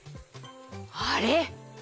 あれ？